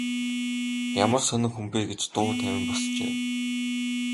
Ямар сонин хүн бэ гэж дуу тавин босжээ.